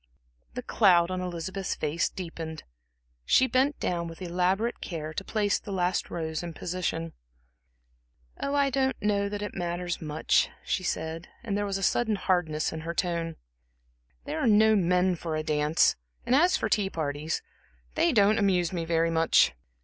The cloud on Elizabeth's face deepened. She bent down with elaborate care to place the last rose in position. "Oh, I don't know that it matters much," she said, and there was a sudden hardness in her tone. "There are no men for a dance, and as for the tea parties they don't amuse me very much.